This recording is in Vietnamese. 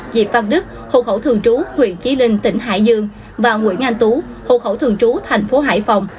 diệp văn đức hồ khẩu thường trú huyện trí linh tỉnh hải dương và nguyễn anh tú hồ khẩu thường trú tp hải phòng